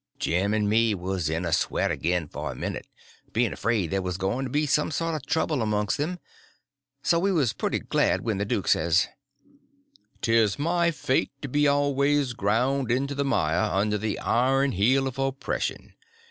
Jim and me was in a sweat again for a minute, being afraid there was going to be some more trouble amongst them; so we was pretty glad when the duke says: "'Tis my fate to be always ground into the mire under the iron heel of oppression.